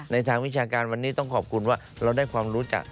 ทางวิชาการวันนี้ต้องขอบคุณว่าเราได้ความรู้จัก